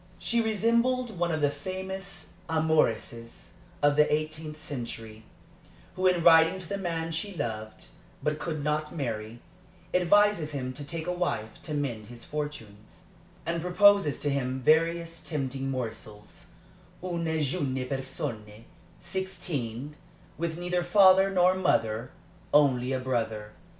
She resembled one of the famous amoureuses of the eighteenth century, who in writing to the man she loved but could not marry, advises him to take a wife to mend his fortunes, and proposes to him various tempting morsels une jeune personne, sixteen, with neither father nor mother, only a brother.